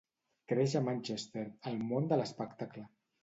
Creix a Manchester, al món de l'espectacle.